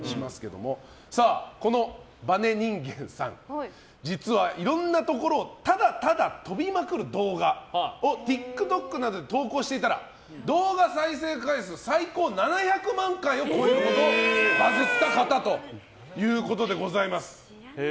このバネ人間さん実はいろんなところをただただ跳びまくる動画をＴｉｋＴｏｋなどで投稿していたら、動画再生回数最高７００万回を超えるほどバズった方ということです。